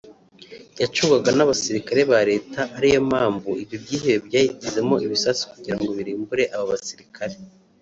yacungwaga n’abasirikare ba Leta ariyo mpamvu ibi byihebe byayitezemo ibisasu kugira ngo birimbure aba basirikare